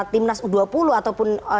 timnas u dua puluh ataupun